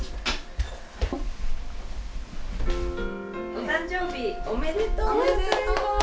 お誕生日、おめでとう！